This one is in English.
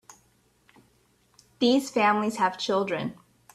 These families have children.